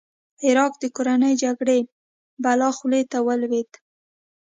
عراق د کورنۍ جګړې بلا خولې ته ولوېد.